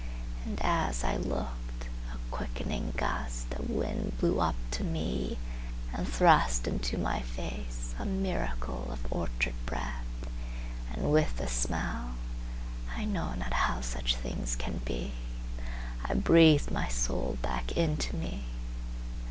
And as I looked a quickening gustOf wind blew up to me and thrustInto my face a miracleOf orchard breath, and with the smell,—I know not how such things can be!—I breathed my soul back into me.